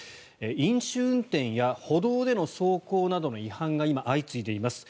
飲酒運転や歩道での走行などの違反が今、相次いでいます。